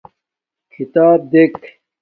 کھیتاپ دیکھ